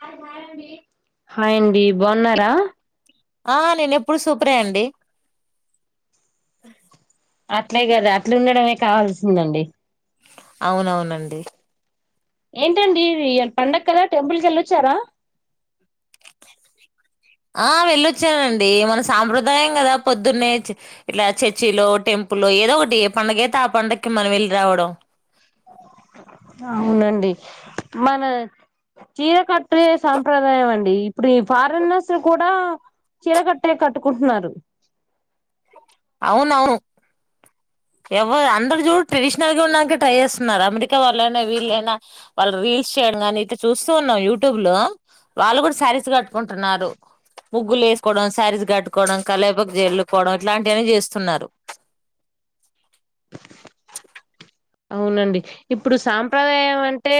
హ హాయ్ అండి హాయ్ అండి. బాగున్నారా ఆ నేను ఎప్పుడు సూపరే అండి. ఆ అట్లే కదా అట్లు ఉండడం మే కావాల్సిందండి. అవునవునండి. ఏంటండి ఇయ్యాల పండగ కదా టెంపుల్ కి వెళ్ళొచ్చారా. ఆ వెళ్ళొచ్చానండి మన సాంప్రదాయం కదా పొద్దున్నే ఇట్లా చర్చిలో టెంపుల్లో ఏదో ఒకటి ఏ పండుగ అయితే ఆ పండకి మనం వెళ్ళి రావడం. అవునండి. మన చీరకట్టే సాంప్రదాయం అండి ఇప్పుడు ఈ ఫారినర్స్ కూడా చీరకట్టే కట్టుకుంటున్నారు. అవున అవును ఎవరు అందరు చూడు ట్రెడిషనల్గా ఉన్నాక ట్రై చేస్తున్నారు అమెరికా వాళ్ళైనా వీళ్ళైనా వాళ్ళు రీల్స్ చేయడం కానీ ఇతే చూస్తూ ఉన్నాం యూట్యూబ్ లో వాళ్ళు కూడా శారీస్ కట్ట. ట్ంటున్నారు ముగ్గులు వేసుకోవడం శారీస్ కట్టుకోవడం. కళ్ళాపు జల్లు ప [unintelligible] లాంటి స్తున్నారు అవునండి ఇప్పుడు సాంప్రదాయం అంటే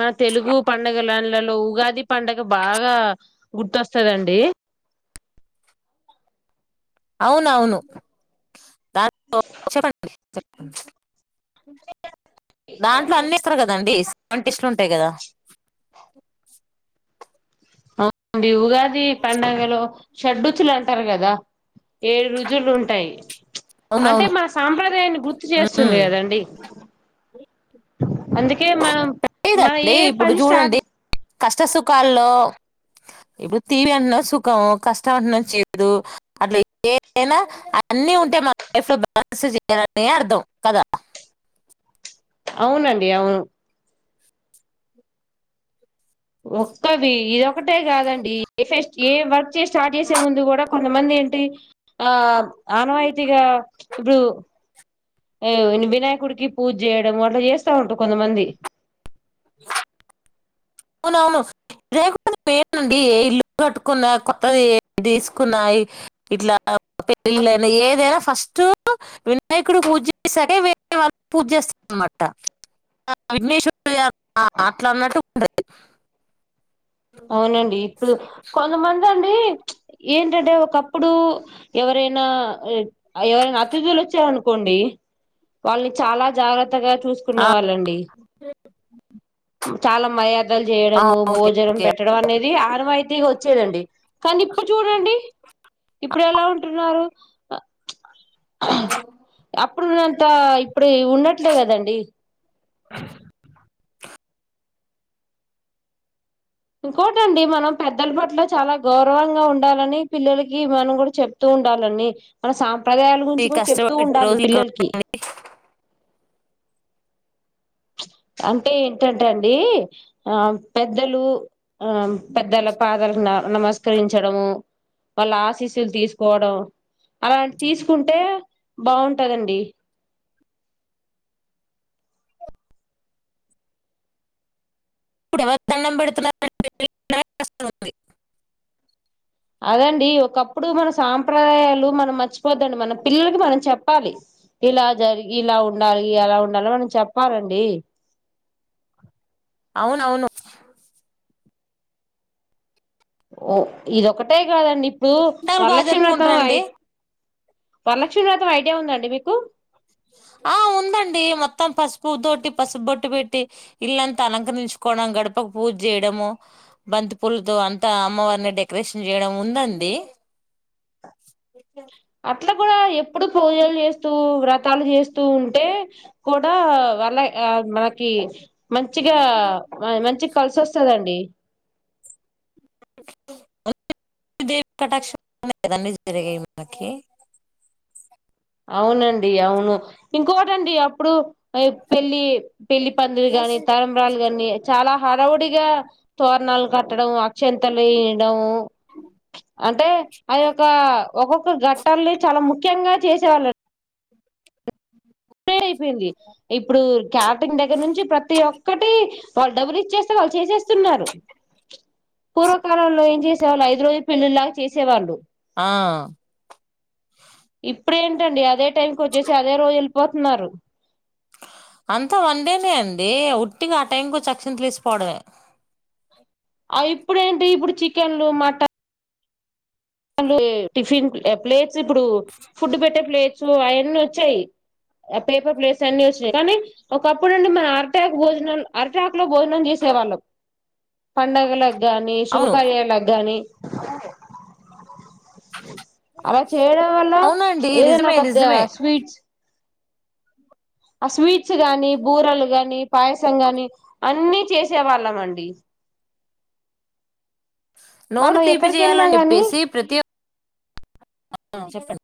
మన తెలుగు పండగలలలో ఇటు ఉగాది పండగ బాగా గుర్తొస్తదండి. అవునవును చెప్పండి చె దాంట్లో అన్ని ఎస్తరు కదండి. అన్ని టేస్ట్లుంటాయి కదా. ఆ బివుగా ఈ పండగలో షడ్డ్రుచులు అంటారు కదా ఏడు రుచులు ఉంటాయి. ప్చ్ అంటే అవునవును మా సాంప్రదాయాన్ని గుర్తు చేస్తుంది హ్మ్. కదండి. అందుకే మనం మన లేదండి ఏ ఇప్పుడు పని స్టార్ట్ చూడండి కష్ట సుఖాల్లో ఇప్పుడు తీవీ అన్నా సుఖం కష్టం అన్నా చేదు. అట్లా ఏవైనా అన్నీ ఉంటే మన లైఫ్ లో బాలన్స్ చేయాలని అర్థం కదా. అవునండి అవును. ఒక్కటి ఇదొ ఒక్కటే కాదండి ఏ ఫస్ట్ ఏ వర్క్ చేసి స్టార్ట్ చేసే ముందు కూడా కొంతమంది ఏంటి ఆ ఆనవాయితీగా ఇప్పుడు ఆ వినాయకుడికి పూజ చేయడం అట్లా చేస్తా ఉంట కొంతమంది ఇ అవునవును దేనికైనా పేరు నుండి ఏ ఇల్లు కట్టుకున్నా కొత్తది ఏం తీసుకున్నా ఇట్లా పెళ్ళిళ్ళైనా ఏదైనా ఫస్ట్ వినాయకుడు పూజ చేసాకేే వేరే వాళ్ళకి పూజ చేస్తారన్నమాట. ఆ విఘ్నేశ్వ ఆ అట్లా అన్నట్టు [inaudible] అవునండి ఇప్పుడు కొంతమంది అం ఏంటంటే ఒకప్పుడు ఎవరైనా ఎవరైనా అతిథులు వచ్చారనుకోండి వాళ్ళని చాలా జాగ్రత్తగా ఆ! చూసుకునే వాళ్ళండి. చాలా మయ లేదు ఆ! చేయడము ఓకే. భోజనం పెట్ట ఓకే. పెట్టడం అనేది ఆరవయితే వచ్చేదండి కానీ ఇప్పుడు చూడండి. ఇప్పుడు ఎలా ఉం ఉన్నారు అప్పుడున్న అంత ఇప్పుడు ఉన్నట్లే కదండి. అ ఇంకోటండి మనం పెద్దల పట్ల చాలా గౌరవంగా ఉండాలని పిల్లలకి మనం కూడా చెప్తూ ఉండాలని మన సా సంప్రదాయాల అది గురించి కూడా చెప్తూ కష్టపడి ఉండాలి రోజులు ఎక్కడ పిల్లలకి అంటే ఏంటంటే అండి ఆ పెద్దలు ఆ పెద్దల పాదన్న నమస్కరించడము వాళ్ళ ఆశీస్సులు తీసుకోవడం అలాంటి తీసుకుంటే బాగుంటదండి ఇప్పు దండం పెడుతున్న అదండి ఒకప్పుడు మన సాంప్రదాయాలు మనం మర్చిపోద్దండి మన పిల్లలకి మనం చెప్పాలి ఇలా జరి ఇలా ఉండాలి అలా ఉండాలి మనం చెప్పాలండి అవునవును ఓ ఇదొక్కటే కాదండి ఏమో పండగలు బాగా వరలక్షం జరుపుకుంటారండి రాతాయి వన్ లక్ష శతం ఐడియా ఉందండి మీకు ఆ ఉందండి మొత్తం పసుపు తోటి పసుపు బొట్టు పెట్టి ఇల్లంతా అలంకరించుకోవడం గడపకు పూజ చేయడము బంతి పూలతో అంతా అమ్మవారిని డెకరేషన్ చేయడం ఉందండి అట్లా కూడా ఎప్పుడు పూజలు చేస్తూ వ్రతాలు చేస్తూ ఉంటే కూడా వాళ్ళ ఆ మనకి మంచిగా మంచిగా కలిసి వస్తదండి దవి కటాక్షదాన్ని జరగా మాకి అవునండి అవును ఇంకోటండి అప్పుడు పెళ్లి పెళ్లి పందిలు గాని తరబరాలు గాని చాలా హడవుడిగా తోరణాలు కట్టడం అక్షంతలు ఇయడంము అంటే ఆ యొక్క ఒక్కొక్క గట్టల్ని చాలా ము జంగా చేసేవాళ్ [unintelligible] అయిపోయింది ఇప్పుడు క్యాటిరింగ్ దగ్గర నుంచి ప్రతి ఒక్కటి వాళ్ళు డబ్బులు ఇచ్ఛేస్తే వాళ్ళు చేసేస్ తున్నారు పూర్వకాలంలో ఏం చేసేవాళ్ళు ఐదు రోజు పెళ్ళిళ్ళలా చేసేవాళ్ళు ఆ ఇప్పుడేంటండి అదే టైంకి వచ్చే అదే రోజు వెళ్ పోతున్నారు అంతా వన్డేనే అండి ఉట్టిగా ఆ టైం కి వచ్చి అక్షింతలేసిపోవడమే ఆ ఇప్పుడు ఏంటి ఇప్పుడు చికెన్లు మటన్ వాళ్ళు టిఫిన్ ప్లేట్స్ ఇప్పుడు ఫుడ్ పెట్టే ప్లేట్స్ అయన్నీ వచ్చాయి పేపర్ ప్లేట్స్ అన్ని వచ్చా కానీ ఒకప్పుడు అండి మన అరిటాకు భోజనాలు అరిటాకు లో భోజనం చేసే వాళ్ళం పండగల గాని అవును శుభకార్యాలకు గానీ అలా చేయడం వల్ల అవునండి ఏదైనా నిజమే ఒక దే నిజమే స్వీట్స్. ఆ స్వీట్ ట్స్ గానీ బూరలు గానీ పాయసం గాని, అన్నీ చేసే వాళ్ళం అండి. నోరు మనం ఎక్కడికి వెళ్ళినా తీపిచేయాలని గాని చెప్పేసి ప్రతి ఒక్ చెప్పండ్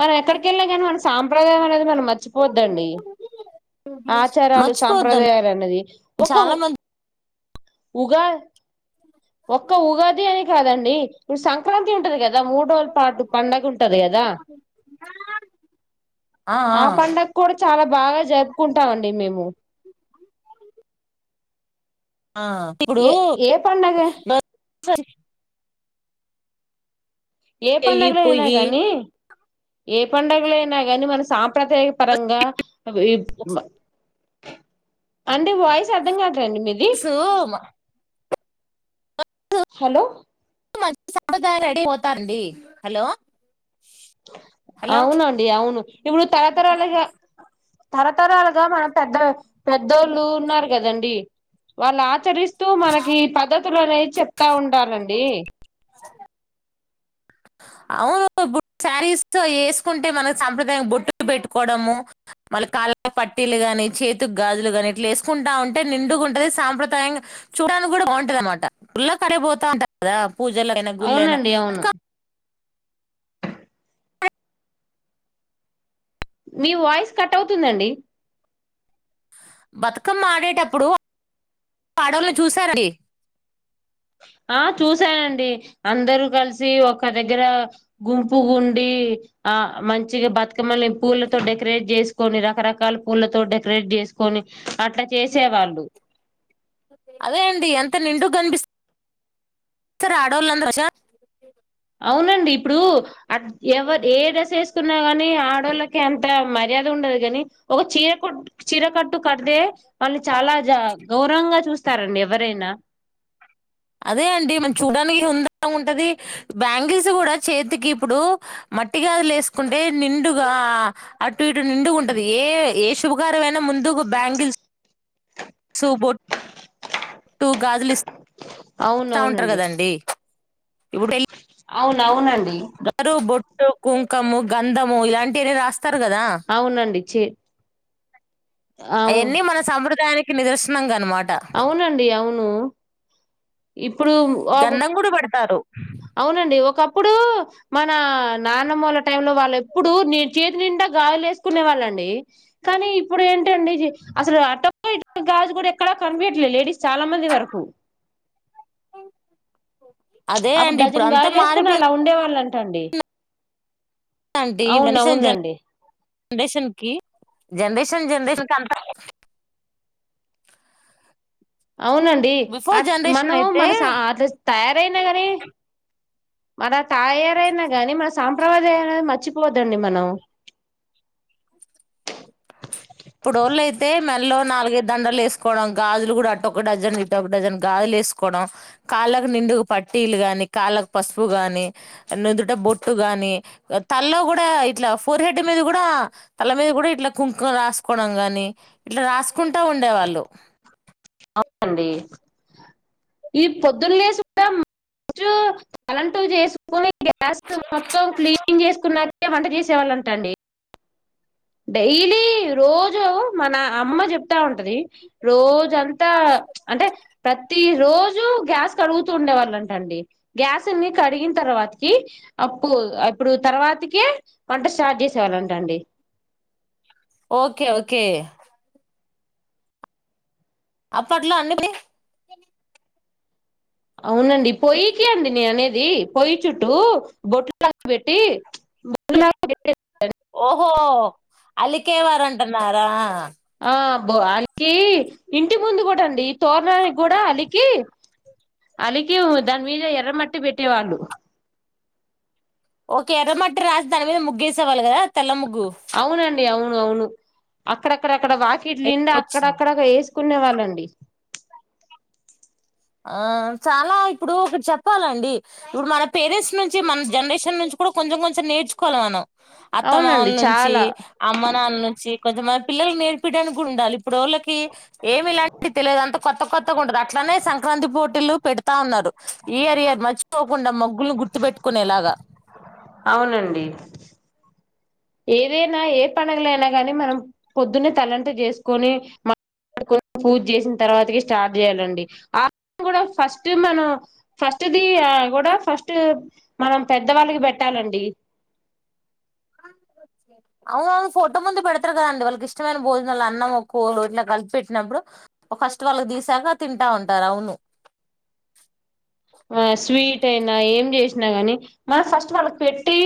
మనం ఎక్కడికెళ్లినా గానీ మన స్ సాంప్రదాయం అనేది మనం మర్చిపోవద్దండి. ఆచారాలు మర్చిపోవద్దండి సాంప్రదాయాలు అనేది ఒక చాలా మంది ఉగా ఒక్క ఉగాది అని కాదండీ ఇపుడు సంక్రాంత్ ఉంటది కదా మూడురోజుల పాటు పండగుంట్ ఉంటది గదా ఆ పండక్కూడ చా చాలా బాగా జరుపుకుంటాం అండి మేము. ఆ ఇప్పుడూ ఏ ఏ పండగ [inaudible] ఏ చెయ్యి పండగలో ఐ నా పొయ్యి గానీ ఏ పండగలో అయినా గానీ మన సాంప్రదాయక పరంగా [unintelligible] అంటే వాయిస్ అర్థం కాదు సోమా హలో మంచి సంప్రదాయం [inaudible] రెడీ పోతారండీ. హలో హలో అవునండి అవును ఇప్పుడు తరతరాలుగా తరతరాలుగా మన పెద్ద పెద్దోళ్ళు ఉన్నారు కదండి వాళ్ ఆచరిస్త స్తూ మనకీ పద్ధత్ తులనే చెప్తా ఉంటారండీ. అవును ఇప్పు శారీస్ ఏసుకుంటే మన సాంప్రదాయ బొట్టులు పెట్టుకోవడము, మళ్ళీ కాళ పట్టీలు గాని, చేతు గాజులు గాని, ఇట్ల ఏసుకుంటా ఉంటే నిండుగ ఉంటది సాంప్రదాయంగా చూడడానికి కూడా బాగుంటది అనమాట గుడ్ల కాడికిపోతా ఉంటారు కదా. పూజలైనా గుడ్లైనా అవునండి అక అవును మీ వాయిస్ కట్ అవుతుందండి బతుకమ్మ ఆడేటప్పుడు [inaudible] అడోళ్ల్ని చూశారండి. ఆ చూసానండి అందరూ కలిసి ఒక దగ్గరా గుంపుగుండీ ఆ మంచిగ బతుకమ్మని పూలతో డెకరేట్ చేసుకొని రకరకాల పూలతో డెకరేట్ చేసుకొని అట్లా చేసే వాళ్ళు. అదే అండి ఎంత నిండుగ కనిపిస్తు [inaudible] [unintelligible] అవునండి ఇప్పుడూ అ ఎవర్ ఏ డ్రెస్ ఏసుతున్నా గానీ ఆడోళ్ళకి అంత మర్యాద ఉండదు గాని, ఒక చీరకొట్టు చీరకట్టు కడితే, వాళ్నీ చాలా జా గౌరవంగా చూస్తారండి ఎవరైనా. అదే అండి మనం చూడడానికి హుందాగా ఉంటది. బ్యాంగిల్స్ కూడా చేతికి ఇప్పుడూ మట్టి గాజులు ఏసుకుంటే నిండుగా అటు ఇటు నిండుగ ఉంటది ఏ ఏ శుభకారమైనా ముందుకు బ్యాంగిల్స్ [inaudible] ల్సు బొట్ [inaudible] బొట్టు గాజులు ఇస్త ఇస్తా ఉంటారు అవునవునండి కదండి [unintelligible] అవునవునండి ట్టు కుంకము గంధము ఇలాంటిని రాస్ స్తరు కదా చ్చే ఆయన్ని మన సంప్రుదాయానిక్ కి నిదర్శనంగా అన్మాట్ అవునండి అవున్ ను ఇప్పుడు మ్మ్ అప్ గంధం కూడా పెడతారు అవునండి ఒకప్ప్ ప్పుడు మన నాన్నమ్మోళ్ల టైమ్ లో వాళ్ళు ఎప్పుడు, నేన్ చేతి నిండా గాజులు వేసుకునే, వాళ్ళండి కానీ ఇప్పుడు ఏంటండి. జీ అసలు అటొక్క ఇటొక్క గాజు కూడా ఎక్ క్కడ కనిపీయట్లే లేడీస్ చాలా మంది వరకు ప్చ్ అదే అప్పుడు అండి ఇప్పుడు డజన్ అంతా గాజులు వేసుకునే అలా మారిపోయిందండి ఉండే వాళ్ళన్ టండి అవునవునండి ఫౌండేషన్ కి జనరేషన్ జనరేషన్ కంత అవునండి బిఫోర్ అట్ జనరేషన్ మనము అయితే మనసా అట్లాస్ తయారై కాని మన తాయారయినా గానీ మన సాంప్రదదాయం అయినా మర్చిపోద్దండి మనం ఇప్పుడు వాళ్ళు అయితే మెల్లో నాలుగైదు దండలు వేసుకోవడం గాజులు కూడా అటు ఒక డజన్ ఇటు ఒక డజన్ గాజులు వేసుకోవడం కాళ్ళకు నిండుకు పట్టీలు గాని కాళ్ళకు పసుపు గాని నుదుట బొట్టు గాని తల్లో కూడా ఇట్లా ఫోర్ హెడ్ మీద కూడా తల మీద కూడా ఇట్లా కుంకుం రాసుకో గాని ఇట్లా రాసుకుంటా ఉండే వాళ్ళు ఈది పొద్దున్న లేసు మ తలంటూ చేసుకుని గ్యాస్ మొత్తం క్లీన్ చేసుకున్నాకే వంట చేసేవాళ్ళంటండి డైలీ రోజు మన అమ్మ చెప్తా ఉంటది రోజుంత ఇంత అంటే ప్రతి రోజు గ్యాస్ కడుగుతూ ఉండే వాళ్ళంటండి గ్యాస్ని కడిగిన తర్వాతకి అప్పుడు ఇప్పుడు తర్వాతిక వంట స్టార్ట్ చేసే వాళ్ళంటండి ఓకే ఓకే అప్పట్లో అన్నిటి అవునండి పొయ్యకి అండి నే అనేది పొయ్యి చుట్టూ బొట్లు లాగా పెట్టి ఓహో అలికేవారు అంటున్నారా ఆ బ అలికి ఇంటి ముందు కూడాండి ఈ తోరణానికి కూడా అలికి అలికి దాని మీద ఎర్రమట్టి పెట్టేవాళ్ళు ఓకే ఎర్రమటి రాసి దానీ మీద ముగ్గు వేసే వాళ్ళు కదా తెల్ల ముగ్గు అవునండి అవును అవును అక్కడక్కడ అక్కడ వాకి ఇట్లుండి వచ్చింది అక్కడక్కడ వేసుకునే వాళ్ళండి ఆ చాలా ఇప్పుడు ఒకటి చెప్పాలండి ఇప్పుడు మన పేరెంట్స్ నుంచి మన జనరేషన్ నుంచి కూడా కొంచెం కొంచెం నేర్చుకోవాలి మనం అవునండి అత్తమామలు నుంచి చాలా అమ్మ నాన్న నుంచి కొంచంమంది పిల్లల్ నేర్పియడానికి కూడా ఉండాలి. ఇప్పుడు వోళ్ళకి ఏమి [unintelligible] తెలేదు. అంత కొత్త కొత్తగ ఉంటరు. అట్లానే సన్ క్రాంతి పోటీలు పెడతాన్నాడు. ఈ ఏరియాకి మద్ ర్చ్ కోకుండా మగ్గుల్ను గుర్తుపెట్టుకునే లాగా అవునండి. ఏదైనా ఏ పండగలైనా గానీ మనం పొద్దున్నే తల్లంట్టు జేసుకొని [unintelligible] పూజ చేసిన తర్వాతకి స్టార్ట్ చేయాలండి. ఆ కూడా ఫస్ట్ మనం ఫస్ట్ ది, ఆ కూడా ఫస్ట్ మనం పెద్దవాళ్ళుకి పెట్టాలండి. [unintelligible] ఫోటో ముందు పెడతారు. కదండి. వాళ్ళకి ఇష్టమైన భోజనల్లా అన్నం ఒక్కొల్లు, ఇట్లా కల్ పెట్టినప్పుడు ఫస్ట్ వాళ్ళకి తీసాక తింటా ఉంటారు. అవును ఆ స్వీట్ అయినా ఏం చేసినా, కాని మనం ఫస్ట్ వాళ్ళకి పెట్టి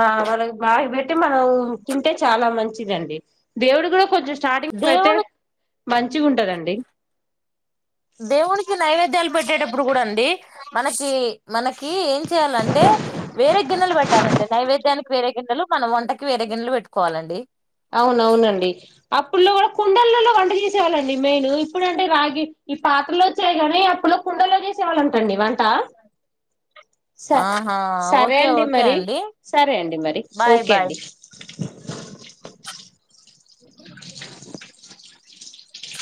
ఆ వాళ్ళకు, బాగే పెట్టి మనం తింటే చాలా మంచిదండి. దేవుడు కూడా కొంచెం స్టార్టింగ్ పెడితే దేవున్డ్, మంచిగా ఉంటదండి దేవుకి నైవేద్యాలు పెట్టేటప్పుడు కూడా అండి. మనకి మనకీ ఏం చేయాలంటే వేరే గిన్నెలు పెట్టాలండి. నైవేద్యానికి వేరే గిన్నెలు మనం వంటకి వేరే గిన్నెలు పెట్టుకోవాలండి. అవునవునండి. అప్పుల్లో కూడా కుండలలో వంట చేసేవాళ్ళండి. మెయిన్ ఇప్పుడుంటే రాగి ఈ పాత్రలో వచ్చాయి. కానీ అప్పులో కుండల్లో చేసేవాళంటండి. వంటా స ఆహా సరే ఓకే అండి. ఓకే మరి అండి సరే అండి. మరి బాయ్ ఓకే బాయ్ అండి. ప్చ్